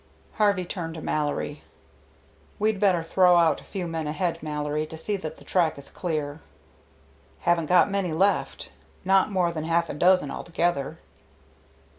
Harvey turned to Mallory. "We'd better throw out a few men ahead, Mallory, to see that the track is clear." "Haven't got many left, not more than half a dozen altogether."